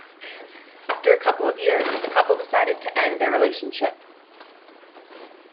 After a couple of years, the couple decide to end their relationship.